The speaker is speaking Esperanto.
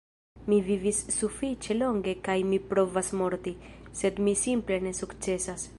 Mi vivis sufiĉe longe kaj mi provas morti, sed mi simple ne sukcesas.